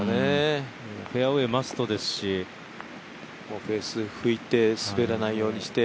フェアウエーマストですしフェース拭いて滑らないようにして。